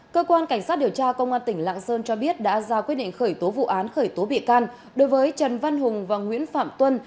cơ quan cảnh sát điều tra công an tỉnh lạng sơn cho biết đã ra quyết định khởi tố vụ án khởi tố bị can đối với trần văn hùng và nguyễn phạm tuân